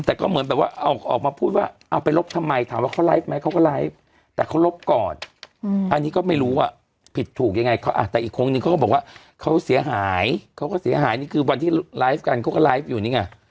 แต่ก็เหมือนแบบว่าออกมาพูดว่าเอาไปลบทำไมถามว่าเขาไลฟ์ไหมเขาก็ไลฟ์แต่เขาลบก่อนอันนี้ก็ไม่รู้ว่าผิดถูกยังไงเขาอ่ะแต่อีกคนนึงเขาก็บอกว่าเขาเสียหายเขาก็เสียหายนี่คือวันที่ไลฟ์กันเขาก็ไลฟ์อยู่นี่ไง